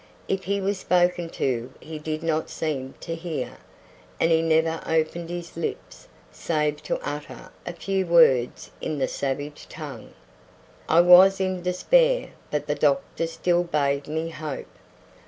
If he was spoken to he did not seem to hear, and he never opened his lips save to utter a few words in the savage tongue. I was in despair, but the doctor still bade me hope.